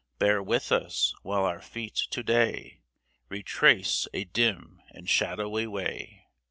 Bear with us while our feet to day Retrace a dim and shadowy way.